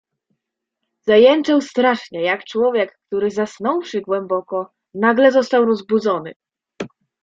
"Zajęczał strasznie, jak człowiek, który, zasnąwszy głęboko, nagle został rozbudzony."